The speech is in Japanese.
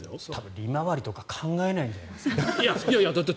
利回りとか考えないんじゃないですか？